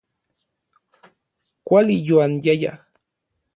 Kuali yoanyayaj.